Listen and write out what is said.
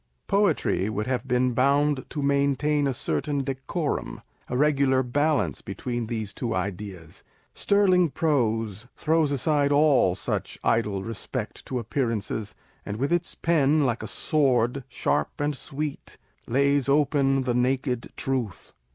Poetry would have been bound to maintain a certain decorum, a regular balance between these two ideas ; sterling prose throws aside all such idle respect to appearances, and with its pen, like a sword, " sharp and sweet," lays open the naked truth